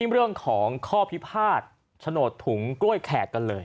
เรื่องของข้อพิพาทโฉนดถุงกล้วยแขกกันเลย